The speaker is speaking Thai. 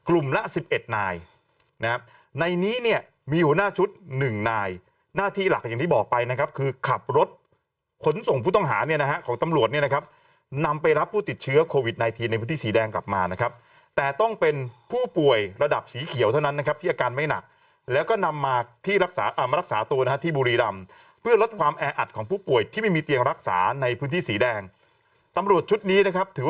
หน้า๑๑นายนะครับในนี้เนี่ยมีหัวหน้าชุด๑นายหน้าที่หลักอย่างที่บอกไปนะครับคือขับรถขนส่งผู้ต้องหาเนี่ยนะครับของตำรวจเนี่ยนะครับนำไปรับผู้ติดเชื้อโควิด๑๙ในพื้นที่สีแดงกลับมานะครับแต่ต้องเป็นผู้ป่วยระดับสีเขียวเท่านั้นนะครับที่อาการไม่หนักแล้วก็นำมาที่รักษามารักษาตัวนะที่บุรีรำเพื่อ